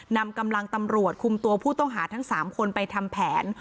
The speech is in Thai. นำกำลังตำรวจคุมตัวผู้ต้องหาทั้ง๓คนไปทำแผน